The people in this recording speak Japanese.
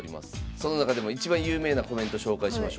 その中でも一番有名なコメント紹介しましょう。